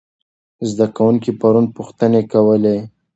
زده کوونکي پرون پوښتنې کولې.